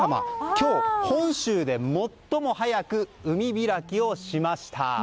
今日、本州で最も早く海開きをしました。